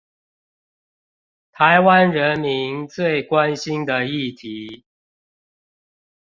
臺灣人民最關心的議題